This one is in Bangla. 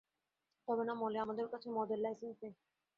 তবে না, মলে আমাদের কাছে মদের লাইসেন্স নেই।